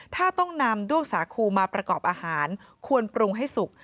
ถ้าต้องนำด้วงสาคูมาประกอบอาหารควรปรุงให้สุก